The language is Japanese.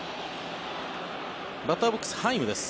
バッターボックス、ハイムです。